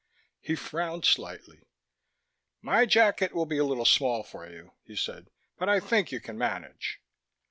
He frowned slightly. "My jacket will be a little small for you," he said. "But I think you can manage."